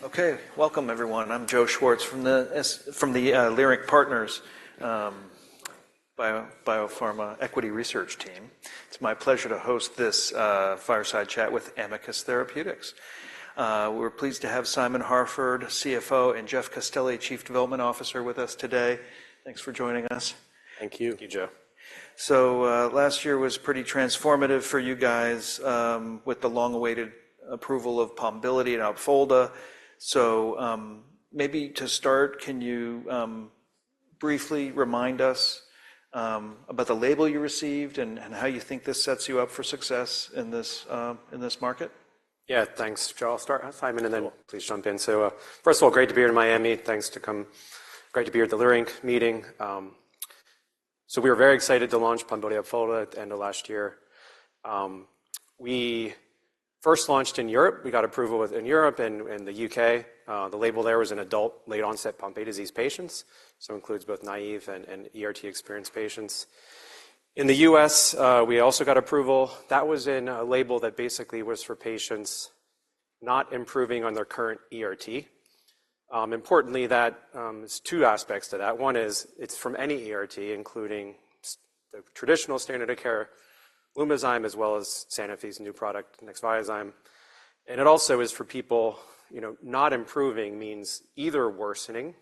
Okay, welcome everyone. I'm Joe Schwartz from Leerink Partners Biopharma Equity Research Team. It's my pleasure to host this fireside chat with Amicus Therapeutics. We're pleased to have Simon Harford, CFO, and Jeff Castelli, Chief Development Officer, with us today. Thanks for joining us. Thank you. Thank you, Joe. So, last year was pretty transformative for you guys, with the long-awaited approval of Pombiliti and Opfolda. So, maybe to start, can you briefly remind us about the label you received and, and how you think this sets you up for success in this, in this market? Yeah, thanks, Joe. I'll start, Simon, and then please jump in. So, first of all, great to be here in Miami. Great to be at the Leerink meeting. So we are very excited to launch Pombiliti Opfolda at the end of last year. We first launched in Europe. We got approval in Europe and the U.K. The label there was in adult late-onset Pompe disease patients, so includes both naïve and ERT-experienced patients. In the U.S., we also got approval. That was in a label that basically was for patients not improving on their current ERT. Importantly, that, there's two aspects to that. One is it's from any ERT, including the traditional standard of care, Lumizyme, as well as Sanofi's new product, Nexviazyme. It also is for people, you know, not improving means either worsening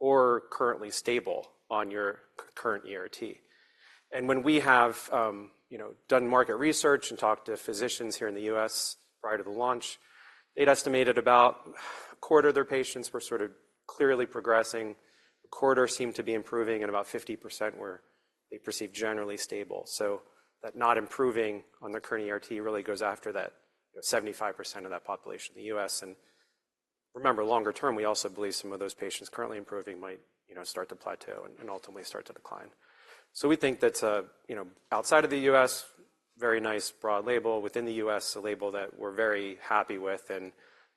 or currently stable on your current ERT. When we have, you know, done market research and talked to physicians here in the U.S. prior to the launch, they'd estimated about 25% of their patients were sort of clearly progressing, 25% seemed to be improving, and about 50% were they perceived generally stable. So that not improving on their current ERT really goes after that 75% of that population in the U.S. Remember, longer term, we also believe some of those patients currently improving might, you know, start to plateau and ultimately start to decline. So we think that's, you know, outside of the U.S., very nice broad label, within the U.S., a label that we're very happy with and,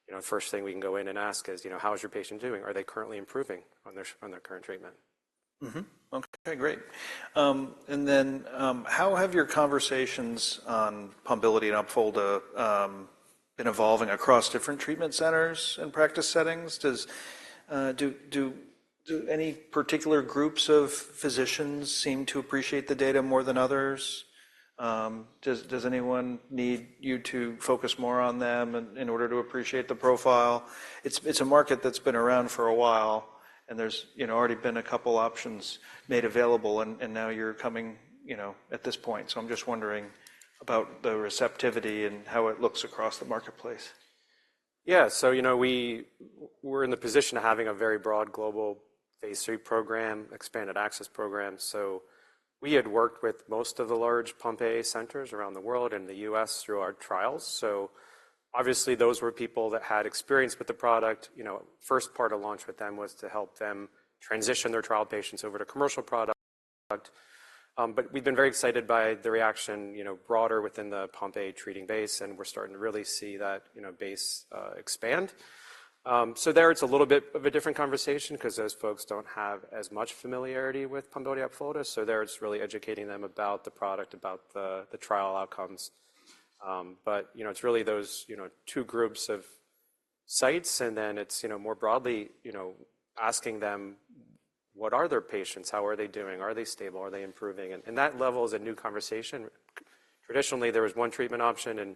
you know, first thing we can go in and ask is, you know, "How is your patient doing? Are they currently improving on their current treatment? Okay, great. And then, how have your conversations on Pombiliti and Opfolda been evolving across different treatment centers and practice settings? Does any particular groups of physicians seem to appreciate the data more than others? Does anyone need you to focus more on them in order to appreciate the profile? It's a market that's been around for a while, and there's, you know, already been a couple options made available, and now you're coming, you know, at this point. So I'm just wondering about the receptivity and how it looks across the marketplace. Yeah. So, you know, we were in the position of having a very broad global phase III program, expanded access program. So we had worked with most of the large Pompe centers around the world and the U.S. through our trials. So obviously, those were people that had experience with the product. You know, first part of launch with them was to help them transition their trial patients over to commercial product. But we've been very excited by the reaction, you know, broader within the Pompe treating base, and we're starting to really see that, you know, base expand. So there it's a little bit of a different conversation 'cause those folks don't have as much familiarity with Pombiliti Opfolda, so there it's really educating them about the product, about the trial outcomes. But, you know, it's really those, you know, two groups of sites, and then it's, you know, more broadly, you know, asking them, what are their patients? How are they doing? Are they stable? Are they improving? And, and that level is a new conversation. Traditionally, there was one treatment option, and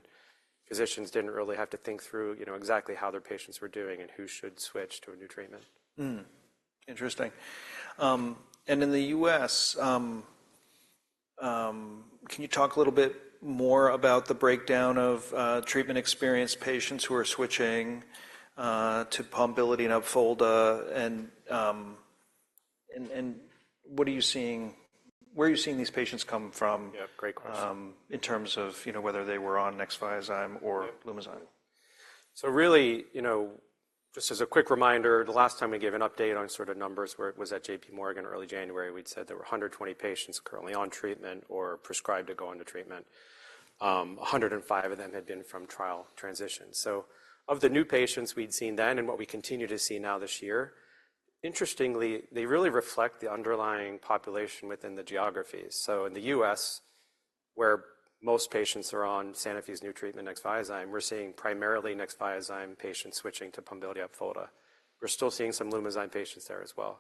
physicians didn't really have to think through, you know, exactly how their patients were doing and who should switch to a new treatment. Interesting. And in the U.S., can you talk a little bit more about the breakdown of treatment-experienced patients who are switching to Pombiliti and Opfolda, and what are you seeing, where are you seeing these patients come from? Yeah, great question. In terms of, you know, whether they were on Nexviazyme or Lumizyme? So really, you know, just as a quick reminder, the last time we gave an update on sort of numbers where it was at J.P. Morgan, early January, we'd said there were 120 patients currently on treatment or prescribed to go onto treatment. 105 of them had been from trial transitions. So of the new patients we'd seen then and what we continue to see now this year, interestingly, they really reflect the underlying population within the geographies. So in the U.S., where most patients are on Sanofi's new treatment, Nexviazyme, we're seeing primarily Nexviazyme patients switching to Pombiliti Opfolda. We're still seeing some Lumizyme patients there as well.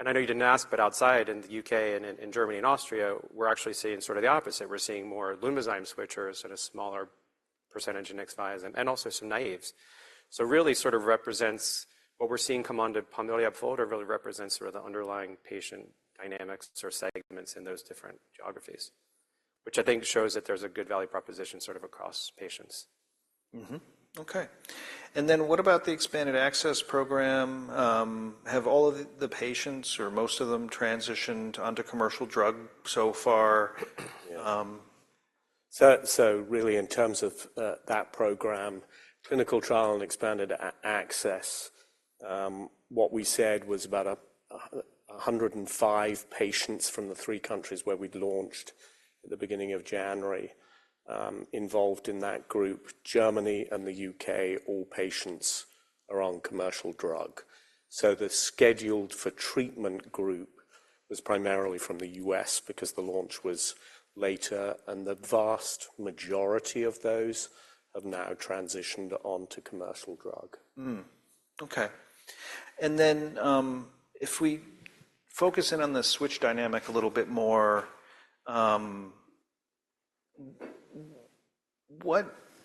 And I know you didn't ask, but outside in the U.K. and in Germany and Austria, we're actually seeing sort of the opposite. We're seeing more Lumizyme switchers and a smaller percentage in Nexviazyme and also some naïves. So really sort of represents what we're seeing come on to Pombiliti Opfolda really represents sort of the underlying patient dynamics or segments in those different geographies, which I think shows that there's a good value proposition sort of across patients. Okay. What about the expanded access program? Have all of the patients or most of them transitioned onto commercial drug so far? Yeah. So, so really in terms of that program, clinical trial and expanded access, what we said was about 105 patients from the three countries where we'd launched at the beginning of January, involved in that group. Germany and the U.K., all patients are on commercial drug. So the scheduled for treatment group was primarily from the U.S. because the launch was later, and the vast majority of those have now transitioned on to commercial drug. Okay. Then, if we focus in on the switch dynamic a little bit more, what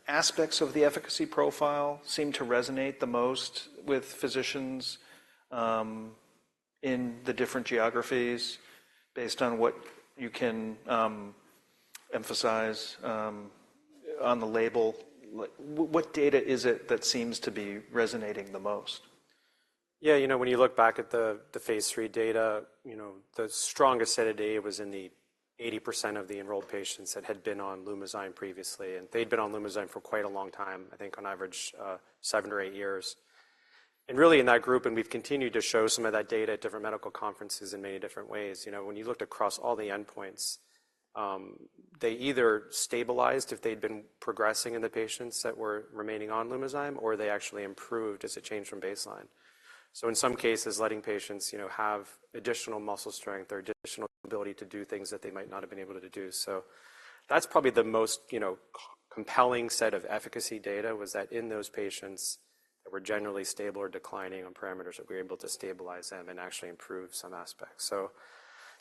aspects of the efficacy profile seem to resonate the most with physicians in the different geographies based on what you can emphasize on the label? What data is it that seems to be resonating the most? Yeah, you know, when you look back at the, the phase 3 data, you know, the strongest set of data was in the 80% of the enrolled patients that had been on Lumizyme previously, and they'd been on Lumizyme for quite a long time, I think on average, 7 or 8 years. And really, in that group, and we've continued to show some of that data at different medical conferences in many different ways, you know, when you looked across all the endpoints, they either stabilized if they'd been progressing in the patients that were remaining on Lumizyme, or they actually improved as a change from baseline. So in some cases, letting patients, you know, have additional muscle strength or additional ability to do things that they might not have been able to do. So that's probably the most, you know, compelling set of efficacy data, was that in those patients that were generally stable or declining on parameters, that we were able to stabilize them and actually improve some aspects. So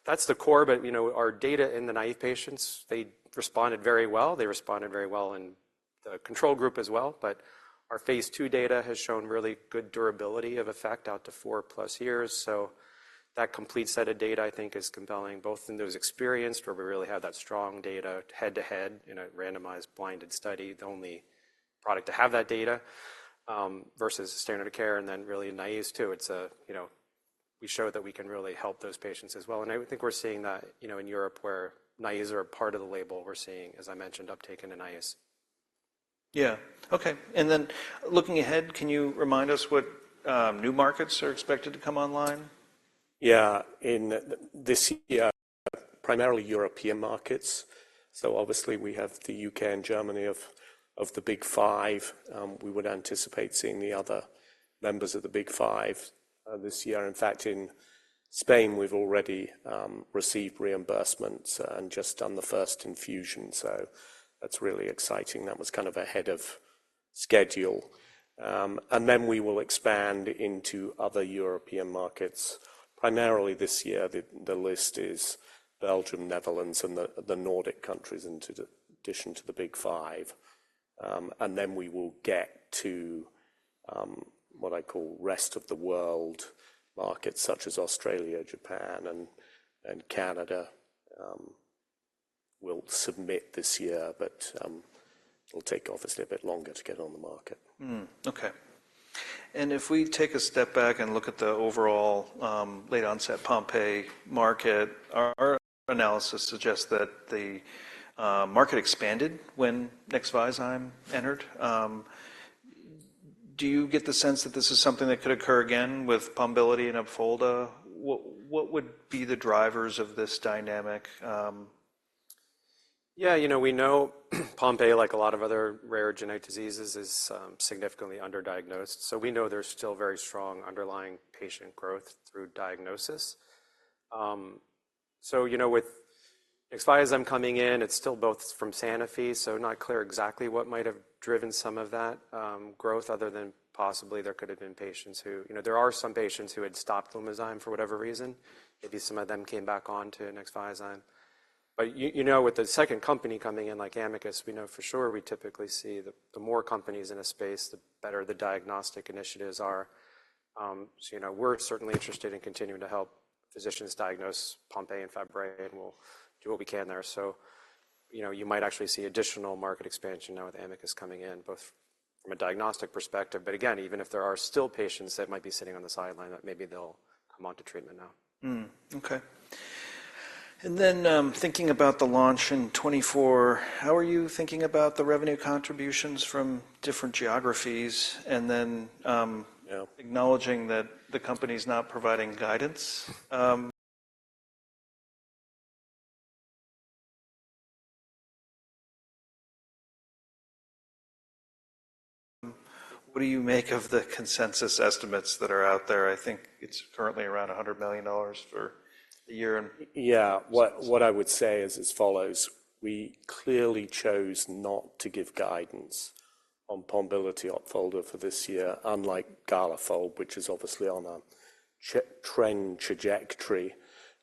that's the core, but, you know, our data in the naive patients, they responded very well. They responded very well in the control group as well. But our phase two data has shown really good durability of effect out to 4+ years. So that complete set of data, I think, is compelling, both in those experienced, where we really have that strong data head-to-head in a randomized, blinded study, the only product to have that data, versus standard of care, and then really naive too. It's a, you know, we show that we can really help those patients as well. I think we're seeing that, you know, in Europe, where naïves are a part of the label, we're seeing, as I mentioned, uptake in the naïves. Yeah. Okay, and then looking ahead, can you remind us what new markets are expected to come online? Yeah, in this year, primarily European markets. So obviously, we have the U.K. and Germany of the Big Five. We would anticipate seeing the other members of the Big Five this year. In fact, in Spain, we've already received reimbursements and just done the first infusion, so that's really exciting. That was kind of ahead of schedule. And then we will expand into other European markets, primarily this year. The list is Belgium, Netherlands, and the Nordic countries in addition to the Big Five. And then we will get to what I call rest of the world markets such as Australia, Japan, and Canada. We'll submit this year, but it'll take obviously a bit longer to get on the market. Okay. And if we take a step back and look at the overall late onset Pompe market, our analysis suggests that the market expanded when Nexviazyme entered. Do you get the sense that this is something that could occur again with Pombiliti and Opfolda? What, what would be the drivers of this dynamic? Yeah, you know, we know Pompe, like a lot of other rare genetic diseases, is significantly underdiagnosed. So we know there's still very strong underlying patient growth through diagnosis. You know, with Nexviazyme coming in, it's still both from Sanofi, so not clear exactly what might have driven some of that growth other than possibly there could have been patients who... You know, there are some patients who had stopped Lumizyme for whatever reason. Maybe some of them came back on to Nexviazyme. But you know, with the second company coming in, like Amicus, we know for sure we typically see the more companies in a space, the better the diagnostic initiatives are. You know, we're certainly interested in continuing to help physicians diagnose Pompe and Fabry, and we'll do what we can there. So, you know, you might actually see additional market expansion now with Amicus coming in, both from a diagnostic perspective, but again, even if there are still patients that might be sitting on the sideline, that maybe they'll come onto treatment now. Okay. And then, thinking about the launch in 2024, how are you thinking about the revenue contributions from different geographies? And then acknowledging that the company's not providing guidance, what do you make of the consensus estimates that are out there? I think it's currently around $100 million for the year and- Yeah. What I would say is as follows: We clearly chose not to give guidance on Pombiliti + Opfolda for this year, unlike Galafold, which is obviously on a trend trajectory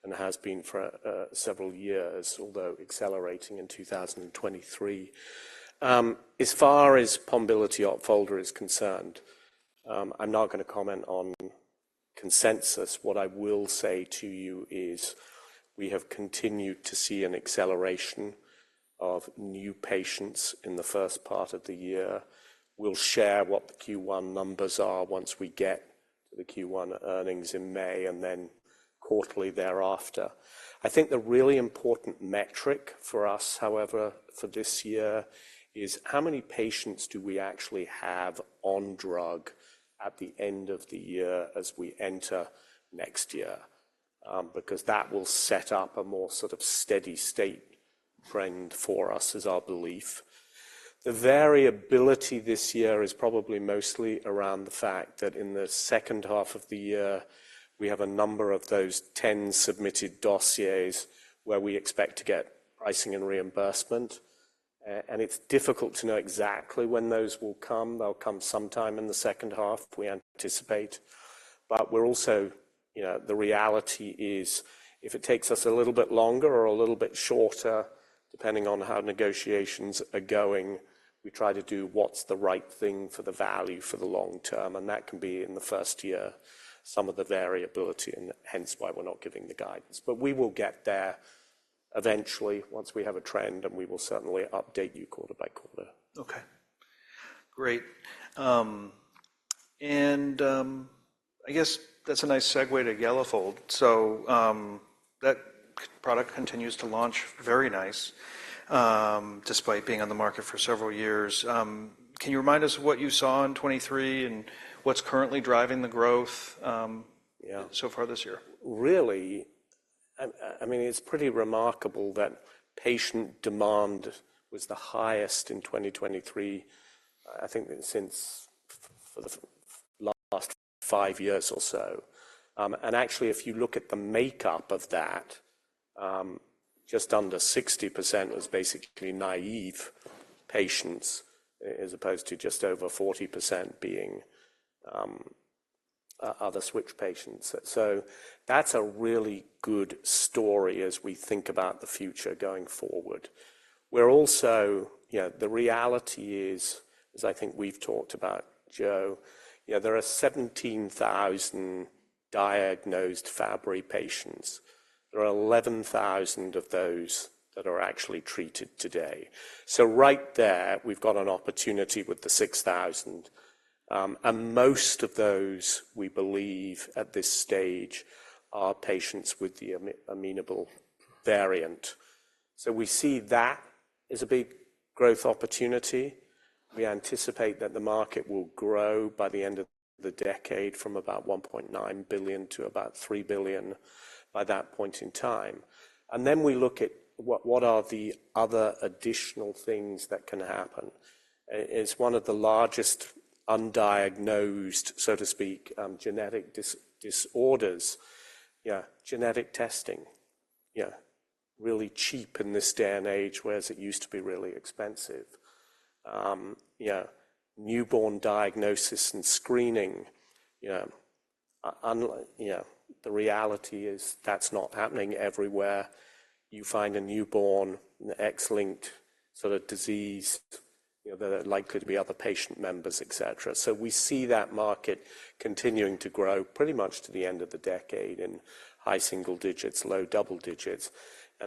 and has been for several years, although accelerating in 2023. As far as Pombiliti + Opfolda is concerned, I'm not going to comment on consensus. What I will say to you is we have continued to see an acceleration of new patients in the first part of the year. We'll share what the Q1 numbers are once we get the Q1 earnings in May, and then quarterly thereafter. I think the really important metric for us, however, for this year, is how many patients do we actually have on drug at the end of the year as we enter next year? Because that will set up a more sort of steady state trend for us, is our belief. The variability this year is probably mostly around the fact that in the second half of the year, we have a number of those 10 submitted dossiers where we expect to get pricing and reimbursement.... and it's difficult to know exactly when those will come. They'll come sometime in the second half, we anticipate. But we're also, you know, the reality is, if it takes us a little bit longer or a little bit shorter, depending on how negotiations are going, we try to do what's the right thing for the value for the long term, and that can be in the first year, some of the variability, and hence why we're not giving the guidance. But we will get there eventually, once we have a trend, and we will certainly update you quarter by quarter. Okay. Great. I guess that's a nice segue to Galafold. So, that product continues to launch very nice, despite being on the market for several years. Can you remind us what you saw in 2023 and what's currently driving the growth so far this year? Really, I mean, it's pretty remarkable that patient demand was the highest in 2023, I think, since for the last five years or so. And actually, if you look at the makeup of that, just under 60% was basically naive patients, as opposed to just over 40% being other switch patients. So that's a really good story as we think about the future going forward. We're also. You know, the reality is, as I think we've talked about, Joe, you know, there are 17,000 diagnosed Fabry patients. There are 11,000 of those that are actually treated today. So right there, we've got an opportunity with the 6,000, and most of those, we believe, at this stage, are patients with the amenable variant. So we see that as a big growth opportunity. We anticipate that the market will grow by the end of the decade from about $1.9 billion to about $3 billion by that point in time. And then we look at what, what are the other additional things that can happen. It's one of the largest undiagnosed, so to speak, genetic disorders. Yeah, genetic testing, yeah, really cheap in this day and age, whereas it used to be really expensive. Yeah, newborn diagnosis and screening, you know. You know, the reality is that's not happening everywhere. You find a newborn, an X-linked sort of disease, you know, there are likely to be other patient members, etc. So we see that market continuing to grow pretty much to the end of the decade in high single digits, low double digits.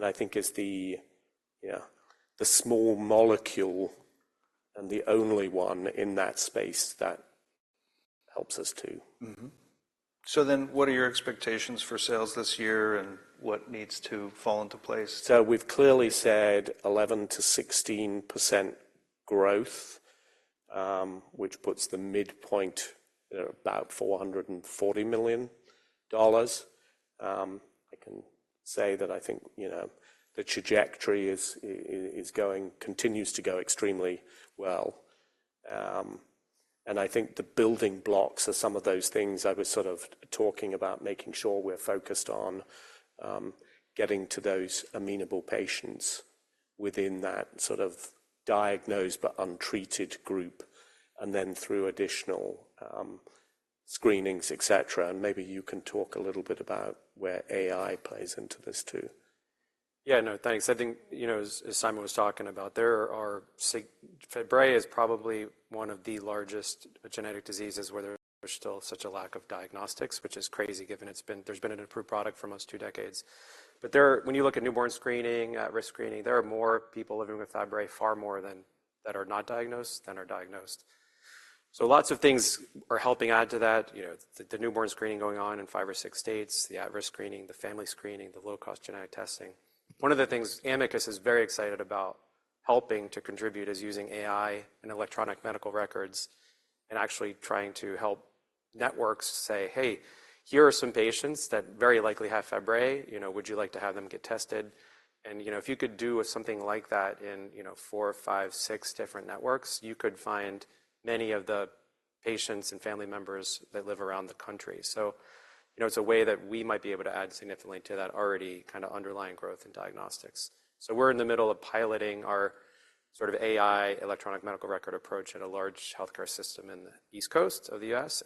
I think it's the, yeah, the small molecule and the only one in that space that helps us too. What are your expectations for sales this year, and what needs to fall into place? So we've clearly said 11%-16% growth, which puts the midpoint at about $440 million. I can say that I think, you know, the trajectory is going, continues to go extremely well. And I think the building blocks are some of those things I was sort of talking about, making sure we're focused on getting to those amenable patients within that sort of diagnosed but untreated group, and then through additional screenings, etc. And maybe you can talk a little bit about where AI plays into this too. Yeah, no, thanks. I think, you know, as, as Simon was talking about, there are Fabry is probably one of the largest genetic diseases where there's still such a lack of diagnostics, which is crazy, given it's been, there's been an approved product for almost two decades. But there, when you look at newborn screening, at-risk screening, there are more people living with Fabry, far more than, that are not diagnosed, than are diagnosed. So lots of things are helping add to that. You know, the newborn screening going on in five or six states, the at-risk screening, the family screening, the low-cost genetic testing. One of the things Amicus is very excited about helping to contribute is using AI and electronic medical records and actually trying to help networks say, "Hey, here are some patients that very likely have Fabry. You know, would you like to have them get tested?" You know, if you could do something like that in, you know, four, five, six different networks, you could find many of the patients and family members that live around the country. So, you know, it's a way that we might be able to add significantly to that already kind of underlying growth in diagnostics. So we're in the middle of piloting our sort of AI electronic medical record approach at a large healthcare system in the East Coast of the U.S.,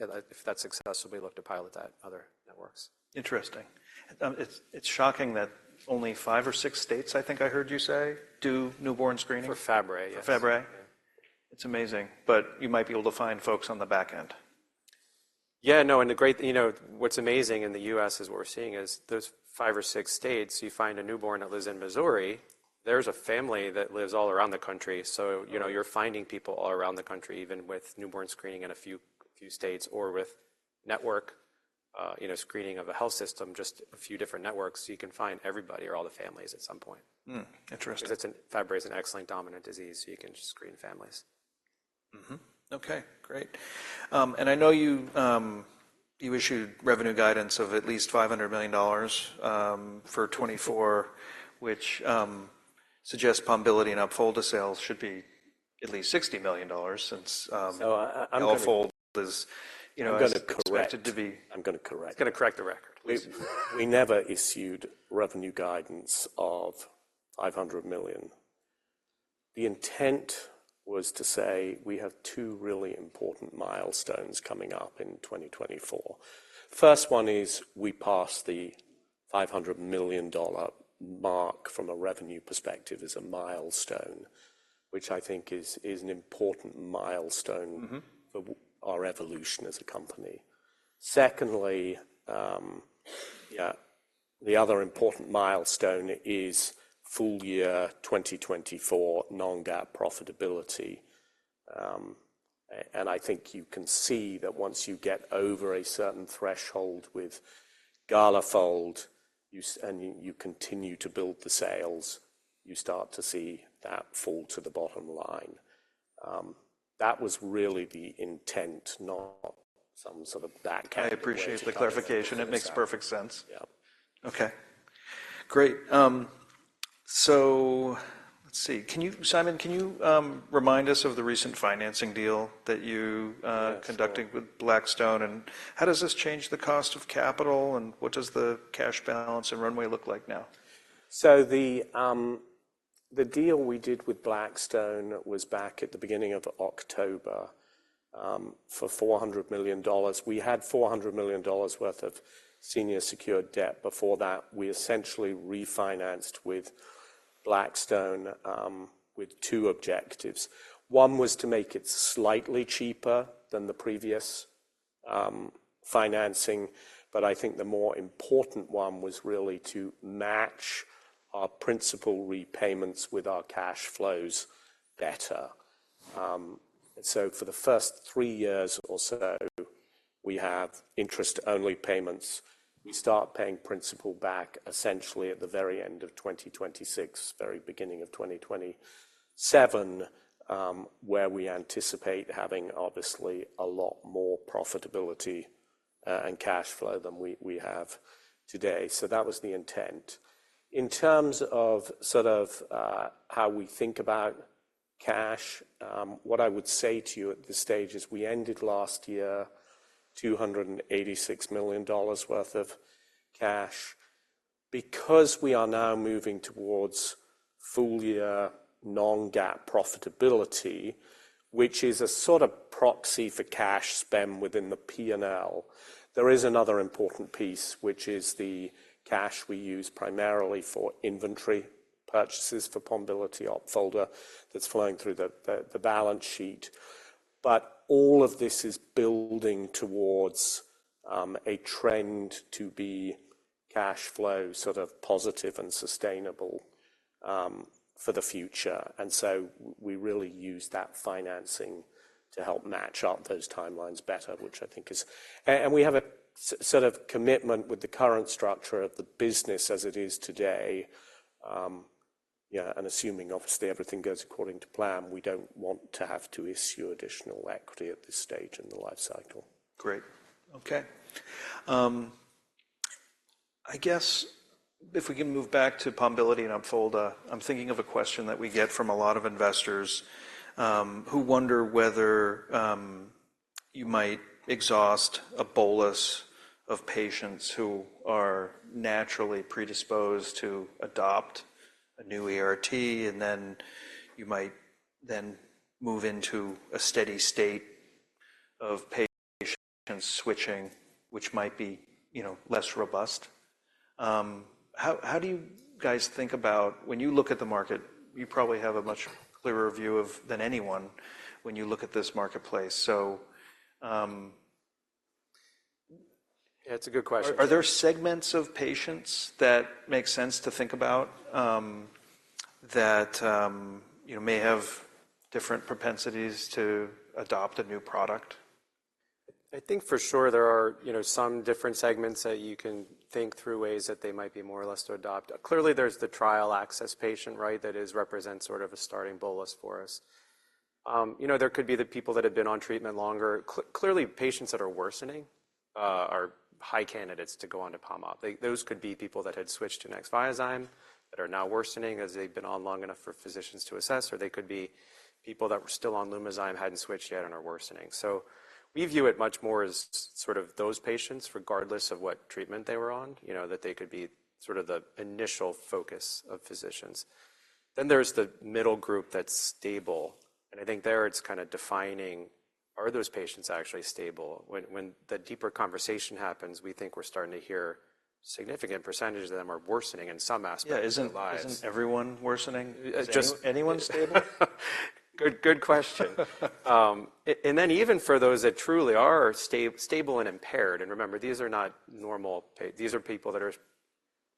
and if that's successful, we look to pilot that other networks. Interesting. It's shocking that only 5 or 6 states, I think I heard you say, do newborn screening? For Fabry, yes. For Fabry? Yeah. It's amazing, but you might be able to find folks on the back end. Yeah, no, you know, what's amazing in the U.S. is what we're seeing is those five or six states. You find a newborn that lives in Missouri. There's a family that lives all around the country. So, you know, you're finding people all around the country, even with newborn screening in a few states or with network, you know, screening of a health system, just a few different networks, you can find everybody or all the families at some point. Interesting. 'Cause it's Fabry is an X-linked dominant disease, so you can just screen families. Okay, great. And I know you, you issued revenue guidance of at least $500 million for 2024, which suggests Pombiliti and Opfolda sales should be... at least $60 million since, I'm gonna- Galafold is, you know, is expected to be- I'm gonna correct. I'm gonna correct. Gonna correct the record. We never issued revenue guidance of $500 million. The intent was to say we have two really important milestones coming up in 2024. First one is we pass the $500 million mark from a revenue perspective as a milestone, which I think is an important milestone for our evolution as a company. Secondly, yeah, the other important milestone is full-year 2024 non-GAAP profitability. And I think you can see that once you get over a certain threshold with Galafold, and you continue to build the sales, you start to see that fall to the bottom line. That was really the intent, not some sort of backhanded way to- I appreciate the clarification. It makes perfect sense. Okay, great. So let's see. Simon, can you remind us of the recent financing deal that you conducted with Blackstone, and how does this change the cost of capital, and what does the cash balance and runway look like now? So the deal we did with Blackstone was back at the beginning of October for $400 million. We had $400 million worth of senior secured debt before that. We essentially refinanced with Blackstone with two objectives. One was to make it slightly cheaper than the previous financing, but I think the more important one was really to match our principal repayments with our cash flows better. So for the first three years or so, we have interest-only payments. We start paying principal back essentially at the very end of 2026, very beginning of 2027, where we anticipate having obviously a lot more profitability and cash flow than we have today. So that was the intent. In terms of sort of how we think about cash, what I would say to you at this stage is we ended last year $286 million worth of cash. Because we are now moving towards full-year non-GAAP profitability, which is a sort of proxy for cash spend within the P&L, there is another important piece, which is the cash we use primarily for inventory purchases for Pombiliti Opfolda that's flowing through the balance sheet. But all of this is building towards a trend to be cash flow sort of positive and sustainable for the future. And so we really use that financing to help match up those timelines better, which I think is... and we have a sort of commitment with the current structure of the business as it is today. Yeah, assuming, obviously, everything goes according to plan, we don't want to have to issue additional equity at this stage in the life cycle. Great. Okay. I guess if we can move back to Pombiliti and Opfolda, I'm thinking of a question that we get from a lot of investors, who wonder whether you might exhaust a bolus of patients who are naturally predisposed to adopt a new ERT, and then you might then move into a steady state of patient switching, which might be, you know, less robust. How do you guys think about... When you look at the market, you probably have a much clearer view of than anyone when you look at this marketplace. So, Yeah, it's a good question. Are there segments of patients that make sense to think about, that you know may have different propensities to adopt a new product? I think for sure there are, you know, some different segments that you can think through ways that they might be more or less to adopt. Clearly, there's the trial access patient, right? That is, represents sort of a starting bolus for us. You know, there could be the people that have been on treatment longer. Clearly, patients that are worsening are high candidates to go onto Pombiliti. Those could be people that had switched to Nexviazyme, that are now worsening as they've been on long enough for physicians to assess, or they could be people that were still on Lumizyme, hadn't switched yet and are worsening. So we view it much more as sort of those patients, regardless of what treatment they were on, you know, that they could be sort of the initial focus of physicians. Then there's the middle group that's stable, and I think there it's kind of defining, are those patients actually stable? When the deeper conversation happens, we think we're starting to hear significant percentage of them are worsening in some aspect of their lives. Yeah, isn't everyone worsening? Is anyone stable? Good, good question. And then even for those that truly are stable and impaired, and remember, these are not normal patients. These are people that are,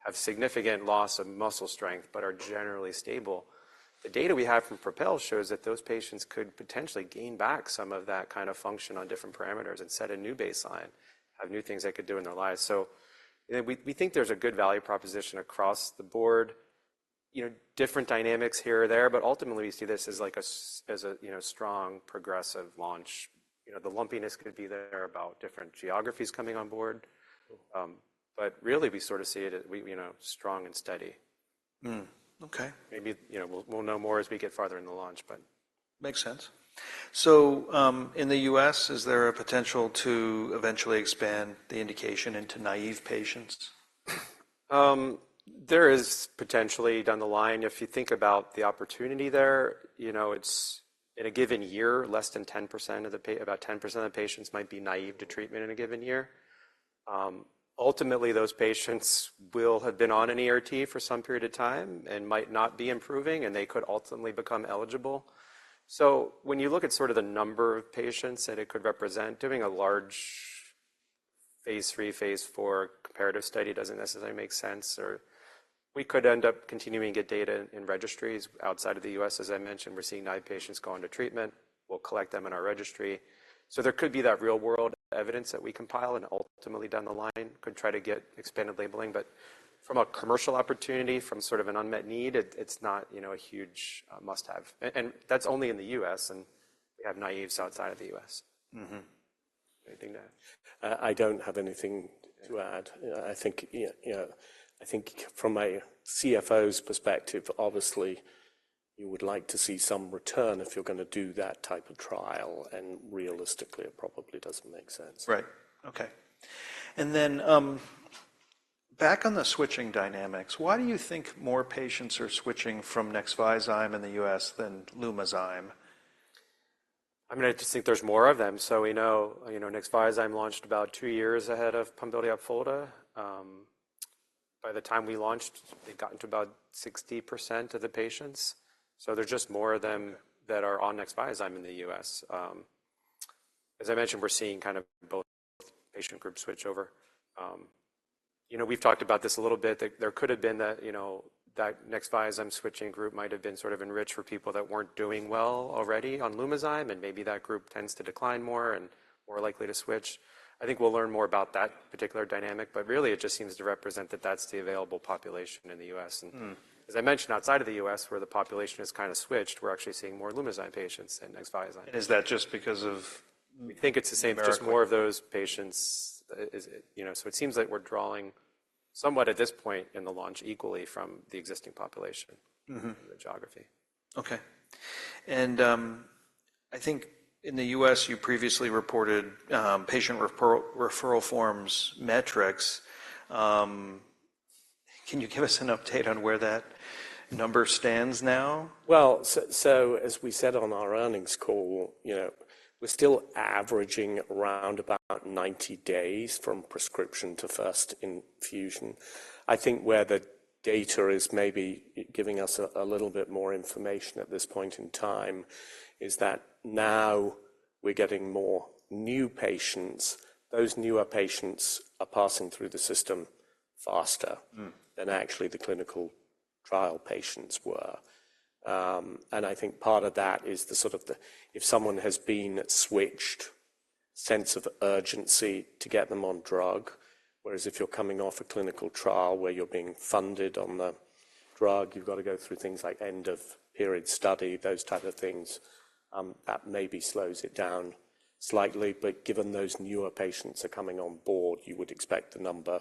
have significant loss of muscle strength but are generally stable. The data we have from PROPEL shows that those patients could potentially gain back some of that kind of function on different parameters and set a new baseline, have new things they could do in their lives. So we, we think there's a good value proposition across the board, you know, different dynamics here or there, but ultimately, we see this as like a strong, progressive launch. You know, the lumpiness could be there about different geographies coming on board. But really, we sort of see it as we, you know, strong and steady. Maybe, you know, we'll know more as we get farther in the launch, but. Makes sense. So, in the U.S., is there a potential to eventually expand the indication into naïve patients? There is potentially down the line, if you think about the opportunity there, you know, it's in a given year, less than 10% of the patients might be naïve to treatment in a given year. Ultimately, those patients will have been on an ERT for some period of time and might not be improving, and they could ultimately become eligible. So when you look at sort of the number of patients that it could represent, doing a large phase III, phase IV comparative study doesn't necessarily make sense, or we could end up continuing to get data in registries outside of the U.S. As I mentioned, we're seeing naïve patients go into treatment. We'll collect them in our registry. So there could be that real-world evidence that we compile, and ultimately, down the line, could try to get expanded labeling. But from a commercial opportunity, from sort of an unmet need, it, it's not, you know, a huge must-have. And that's only in the U.S., and we have naïves outside of the U.S. Anything to add? I don't have anything to add. I think, yeah, you know, I think from a CFO's perspective, obviously, you would like to see some return if you're gonna do that type of trial, and realistically, it probably doesn't make sense. Right. Okay. And then, back on the switching dynamics, why do you think more patients are switching from Nexviazyme in the U.S. than Lumizyme? I mean, I just think there's more of them. So we know, you know, Nexviazyme launched about 2 years ahead of Pombiliti Opfolda. By the time we launched, they'd gotten to about 60% of the patients, so there's just more of them that are on Nexviazyme in the U.S. As I mentioned, we're seeing kind of both patient groups switch over. You know, we've talked about this a little bit. There could have been that, you know, that Nexviazyme switching group might have been sort of enriched for people that weren't doing well already on Lumizyme, and maybe that group tends to decline more and more likely to switch. I think we'll learn more about that particular dynamic, but really, it just seems to represent that that's the available population in the U.S. As I mentioned, outside of the U.S., where the population has kind of switched, we're actually seeing more Lumizyme patients than Nexviazyme. Is that just because of- We think it's the same, just more of those patients, you know... So it seems like we're drawing somewhat at this point in the launch equally from the existing population geography. Okay. And, I think in the U.S., you previously reported patient referral forms metrics. Can you give us an update on where that number stands now? Well, as we said on our earnings call, you know, we're still averaging around about 90 days from prescription to first infusion. I think where the data is maybe giving us a little bit more information at this point in time is that now we're getting more new patients. Those newer patients are passing through the system faster than actually the clinical trial patients were. And I think part of that is the sort of, if someone has been switched, sense of urgency to get them on drug. Whereas if you're coming off a clinical trial where you're being funded on the drug, you've got to go through things like end of period study, those type of things, that maybe slows it down slightly. But given those newer patients are coming on board, you would expect the number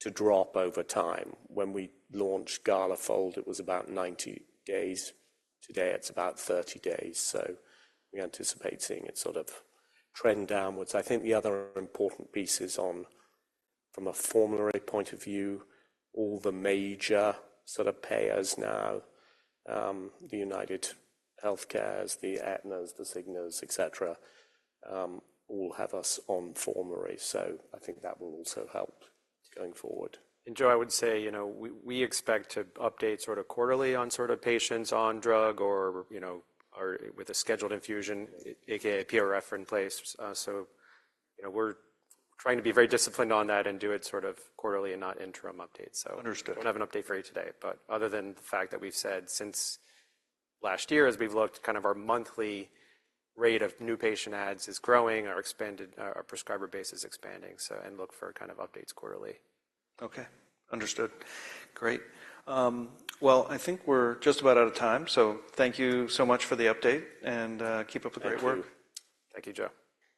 to drop over time. When we launched Galafold, it was about 90 days. Today, it's about 30 days, so we anticipate seeing it sort of trend downwards. I think the other important piece is on, from a formulary point of view, all the major sort of payers now, the UnitedHealthcares, the Aetnas, the Cignas, et cetera, all have us on formulary, so I think that will also help going forward. And Joe, I would say, you know, we expect to update sort of quarterly on sort of patients on drug or, you know, or with a scheduled infusion, aka a PRF in place. So, you know, we're trying to be very disciplined on that and do it sort of quarterly and not interim updates so- Understood. Won't have an update for you today, but other than the fact that we've said since last year, as we've looked, kind of our monthly rate of new patient adds is growing, our prescriber base is expanding, so, and look for kind of updates quarterly. Okay. Understood. Great. Well, I think we're just about out of time, so thank you so much for the update, and keep up with the good work. Thank you. Thank you, Joe.